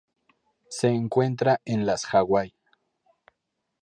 Se encuentra en las Hawái